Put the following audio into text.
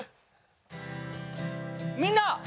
みんな！